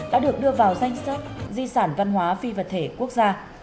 đã được đưa vào danh sách di sản văn hóa phi vật thể quốc gia